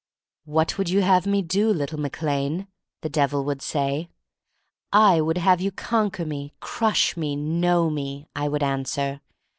"What would you have me do, little Mac Lane?'' the Devil would say. "I would have you conquer me^ crush me, know me," I would answer.